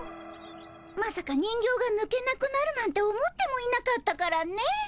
まさか人形がぬけなくなるなんて思ってもいなかったからね。